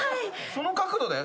その角度で？